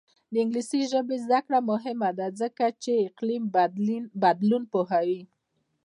د انګلیسي ژبې زده کړه مهمه ده ځکه چې اقلیم بدلون پوهوي.